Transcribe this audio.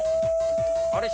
あれ？